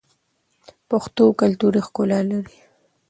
پښتو کلتوري ښکلا لري.